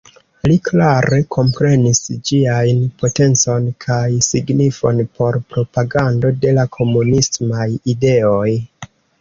Li klare komprenis ĝiajn potencon kaj signifon por propagando de la komunismaj ideoj.